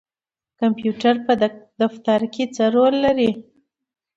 کمپیوټر په دفتر کې څه رول لري؟